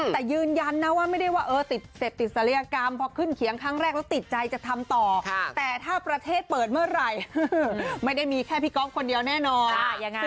แต่ยืนยันนะว่าไม่ได้ว่าเออติดเสร็จติดศัลยกรรมพอขึ้นเขียงครั้งแรกแล้วติดใจจะทำต่อแต่ถ้าประเทศเปิดเมื่อไหร่ไม่ได้มีแค่พี่ก๊อฟคนเดียวแน่นอน